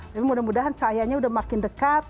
tapi mudah mudahan cahayanya udah makin dekat